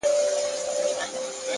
مهرباني له زړونو لاره مومي,